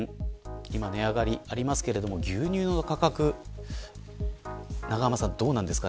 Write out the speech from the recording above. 今、値上がりしていますけど牛乳の価格永濱さん、どうなんですか。